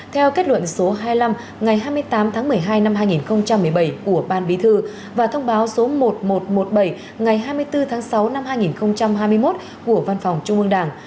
theo kết luận số hai mươi năm ngày hai mươi tám tháng một mươi hai năm hai nghìn một mươi bảy của ban bí thư và thông báo số một nghìn một trăm một mươi bảy ngày hai mươi bốn tháng sáu năm hai nghìn hai mươi một của văn phòng trung ương đảng